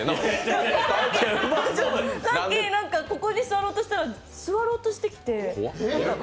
さっき、ここに座ろうとしたら座ろうとしてきて。